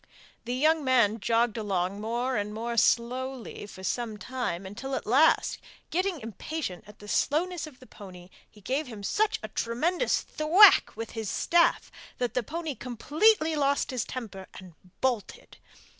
The young man jogged along more and more slowly for some time, until at last, getting impatient at the slowness of the pony, he gave him such a tremendous thwack with his staff that the pony completely lost his temper and bolted.